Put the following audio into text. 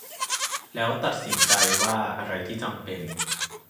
แล้วตัดสินใจว่าอะไรที่จำเป็น